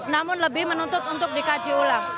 namun lebih menuntut untuk dikaji ulang